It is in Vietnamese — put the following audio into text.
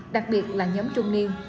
đặc biệt là nhóm trung niên